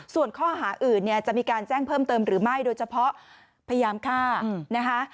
ส่วนข้อหาอื่นเนี่ยจะมีการแจ้งเพิ่มเติมหรือไม่โดยเฉพาะพยายามฆ่านะคะ